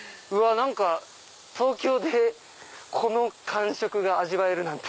何か東京でこの感触が味わえるなんて。